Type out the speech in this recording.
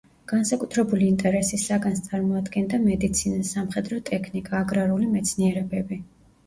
განსაკუთრებული ინტერესის საგანს წარმოადგენდა მედიცინა, სამხედრო ტექნიკა, აგრარული მეცნიერებები.